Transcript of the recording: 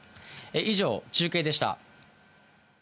以上、中継でした。